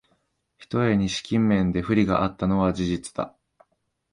ひとえに資金面で不利があったのは事実だ